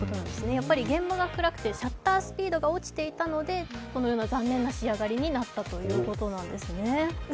やっぱり現場が暗くてシャッタースピードが落ちていたのでこのような残念な仕上がりになったということなんですね。